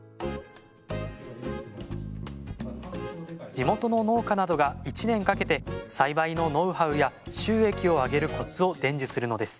地元の農家などが１年かけて栽培のノウハウや収益を上げるコツを伝授するのです